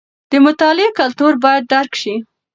د مطالعې کلتور باید درک شي.